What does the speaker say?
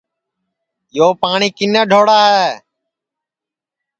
یو پاٹؔی کِنے ڈھوڑا ہے